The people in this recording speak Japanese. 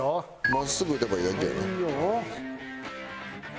真っすぐ打てばいいだけやな。